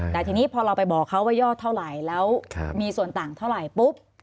แต่ทีนี้พอเราไปบอกเขาว่ายอดเท่าไหร่แล้วมีส่วนต่างเท่าไหร่ปุ๊บ